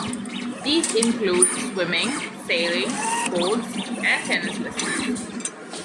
These include swimming, sailing, sports, and tennis lessons.